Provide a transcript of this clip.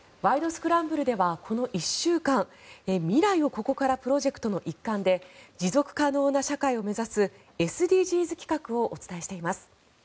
スクランブル」ではこの１週間未来をここからプロジェクトの一環で持続可能な社会を目指すＳＤＧｓ企画をお伝えしています。